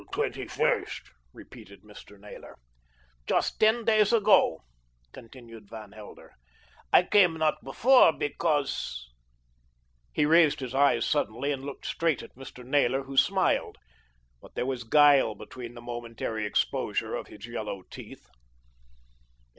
"The 21st," repeated Mr. Naylor. "Just ten days ago," continued Van Helder. "I came not before because " He raised his eyes suddenly and looked straight at Mr. Naylor, who smiled; but there was guile behind the momentary exposure of his yellow teeth.